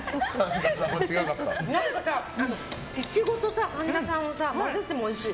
何かさ、イチゴと神田さんのを混ぜてもおいしい。